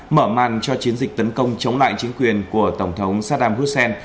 mở màn cho chiến dịch tấn công chống lại chính quyền của tổng thống saddam hussein